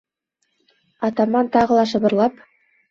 Атаман тағы ла шыбырлап: